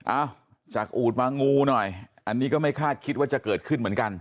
เอ้าจากอูดมางูหน่อยอันนี้ก็ไม่คาดคิดว่าจะเกิดขึ้นเหมือนกัน